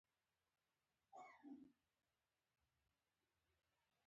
درک د پوهې ژورتیا زیاتوي.